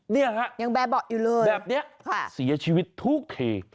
นี่ค่ะแบบนี้เสียชีวิตทุกเค